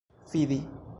fidi